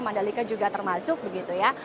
mandalika juga termasuk begitu ya